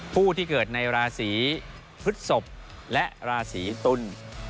ผู้ที่เกิดในราสีพฤทธิ์สบและราสีตุล